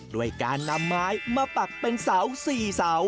ด้วยการนำไม้มาปักเป็นเสา๔เสา